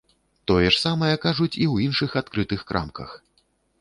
Тое ж самае кажуць і ў іншых адкрытых крамках.